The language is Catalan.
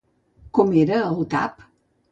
Com era el cap?